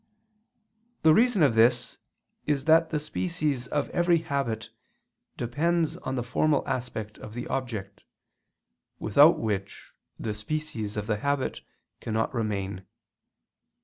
The reason of this is that the species of every habit depends on the formal aspect of the object, without which the species of the habit cannot remain.